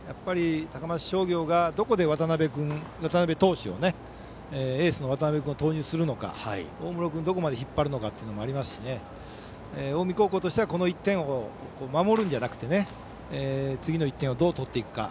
高松商業がどこでエースの渡辺投手を投入するのか、大室君をどこまで引っ張るのかというのもありますし近江高校としてはこの１点を守るんじゃなくて次の１点をどう取っていくのか。